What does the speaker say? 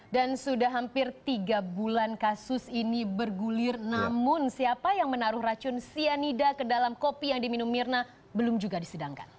sudah hampir tiga bulan kasus ini bergulir namun siapa yang menaruh racun cyanida ke dalam kopi yang diminum mirna belum juga disidangkan